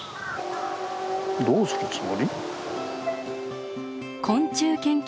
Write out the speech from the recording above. どうするつもり？